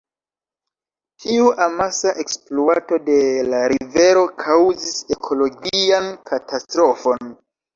Tiu amasa ekspluato de la rivero kaŭzis ekologian katastrofon.